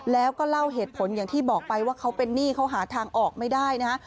แล้วก็เล่าเหตุผลอย่างที่บอกไปว่าเขาเป็นหนี้เขาหาทางออกไม่ได้นะฮะ